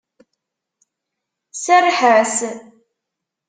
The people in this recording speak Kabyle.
Serreḥ-as!